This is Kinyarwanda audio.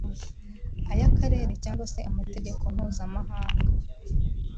ay’akarere cyangwa se amategeko mpuzamahanga